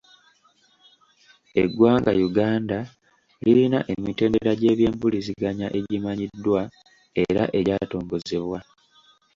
Eggwanga Uganda lirina emitendera gy’ebyenjigiriza egimanyiddwa era egyatongozebwa.